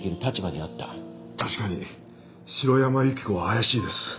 確かに城山由希子は怪しいです。